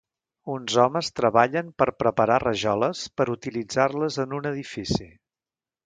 Uns homes treballen per preparar rajoles per utilitzar-les en un edifici.